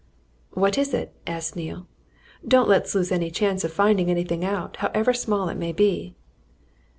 "What is it?" asked Neale. "Don't let's lose any chance of finding anything out, however small it may be."